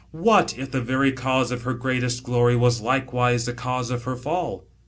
What, if the very cause of her gr'eatest glory, was like (vise the cause of her fall?